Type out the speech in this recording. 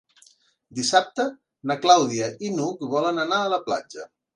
Dissabte na Clàudia i n'Hug volen anar a la platja.